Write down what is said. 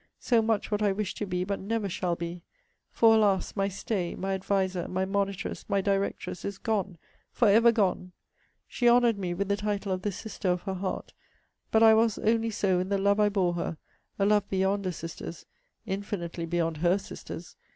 So much what I wish to be, but never shall be! For, alas! my stay, my adviser, my monitress, my directress, is gone! for ever gone! She honoured me with the title of The Sister of her Heart; but I was only so in the love I bore her, (a love beyond a sister's infinitely beyond her sister's!)